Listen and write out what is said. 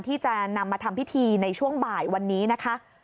ที่จะนำมาทำพิธีในช่วงบ่ายวันนี้นะคะ